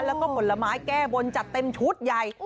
แล้วก็ผลไม้แก้บนจัดเต็มชุดใหญ่